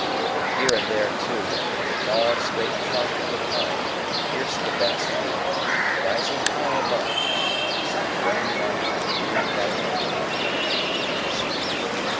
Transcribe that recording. Here and there, too, the tall straight trunk of the pine pierced the vast field, rising high above it, like some grand monument reared by art on a plain of leaves.